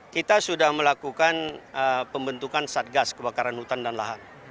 kita sudah melakukan pembentukan satgas kebakaran hutan dan lahan